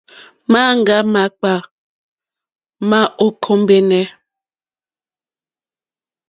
Maŋga makpà ma ò kombεnε.